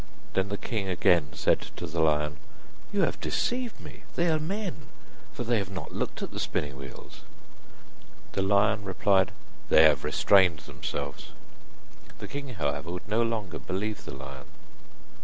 Then the king again said to the lion: 'You have deceived me, they are men, for they have not looked at the spinning wheels.' The lion replied: 'They have restrained themselves.' The king, however, would no longer believe the lion.